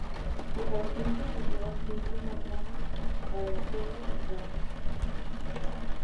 Se caracteriza por llevar siempre una goma para el pelo y gafas.